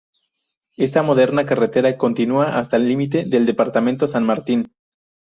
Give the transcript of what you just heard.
Esta moderna carretera continua hasta el límite del Departamento San Martín.